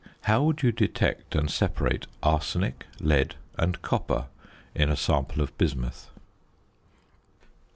How would you detect and separate arsenic, lead, and copper in a sample of bismuth?